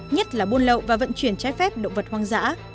nhất là buôn lậu và vận chuyển trái phép động vật hoang dã